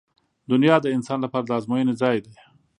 • دنیا د انسان لپاره د ازموینې ځای دی.